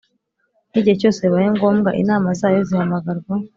n igihe cyose bibaye ngombwa Inama zayo zihamagarwa